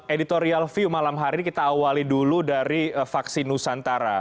editorial view malam hari ini kita awali dulu dari vaksin nusantara